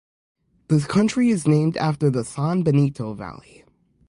The county is named after the San Benito Valley.